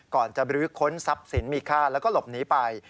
ก่อนจะบรื้อค้นทรัพย์สินมีค่าแล้วก็หลบหนีไป